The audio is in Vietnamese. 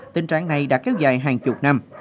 tình trạng này đã kéo dài hàng chục năm